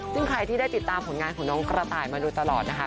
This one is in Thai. ซึ่งใครที่ได้ติดตามผลงานของน้องกระต่ายมาโดยตลอดนะคะ